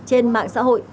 trên mạng xã hội